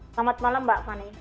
selamat malam mbak fani